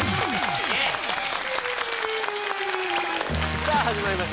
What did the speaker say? さあ始まりました